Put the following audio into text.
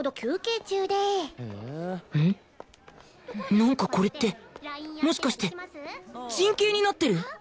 なんかこれってもしかして陣形になってる？